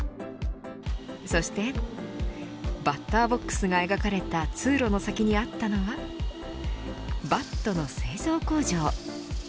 そして、バッターボックスが描かれた通路の先にあったのはバットの製造工場。